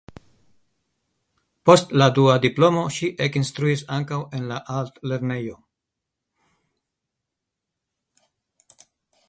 Post la dua diplomo ŝi ekinstruis ankaŭ en la altlernejo.